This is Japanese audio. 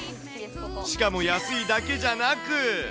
しかも安いだけじゃなく。